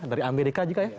dari amerika juga ya